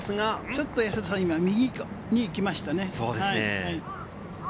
ちょっと安田さん、右に行きましたね。